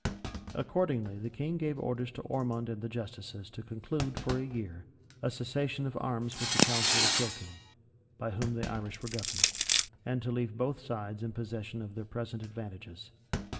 Accordingly the king gave orders[] to Ormond and the justices to conclude, for a year, a cessation of arms with the council of Kilkenny, by whom the Irish were governed, and to leave both sides in possession of their present advantages.